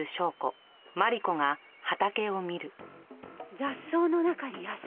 雑草の中に野菜？